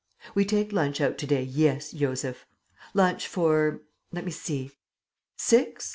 "We take lunch out to day, yes, Josef. Lunch for let me see " "Six?"